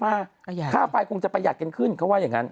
ค่าไฟคงจะประหยัดกันขึ้นเขาว่าอย่างนั้น